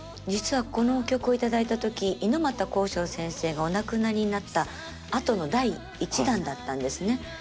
実はこの曲を頂いた時猪俣公章先生がお亡くなりになったあとの第１弾だったんですね。